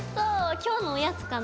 今日のおやつかな？